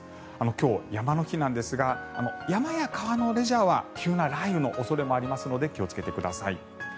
今日、山の日なんですが山や川のレジャーは急な雷雨の恐れもありますので気をつけてください。